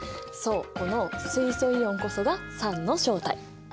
そうこの水素イオンこそが酸の正体！